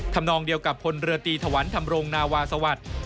ทำนองเดียวกับคนเรือตีถวันทำรงนาวาสวัตร